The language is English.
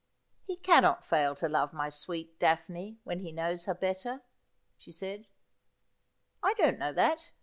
' He cannot fail to love my sweet Daphne when he knows her better,' she said. 'I don't know that.